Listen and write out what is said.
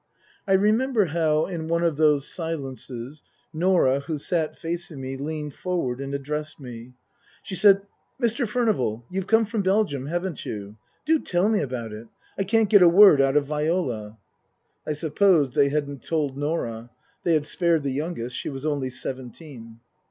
I remember how, in one of those silences, Norah, who sat facing me, leaned forward and addressed me. She said, " Mr. Furnival, you've come from Belgium, haven't you ? Do tell me about it ! I can't get a word out of Viola." I supposed they hadn't told Norah. They had spared the youngest. She was only seventeen.